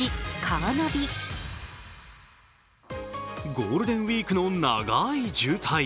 ゴールデンウイークの長い渋滞。